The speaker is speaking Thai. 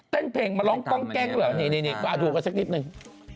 เพลงมาร้องกล้องแกล้งเหรอนี่มาดูกันสักนิดนึง